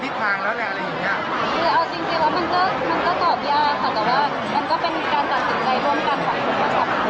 แต่ว่ามันก็เป็นการตัดสินใจร่วมกันของเมืองครับ